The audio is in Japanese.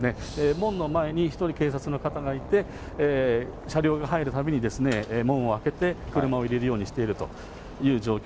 門の前に１人、警察の方がいて、車両が入るたびに、門を開けて車を入れるようにしているという状況。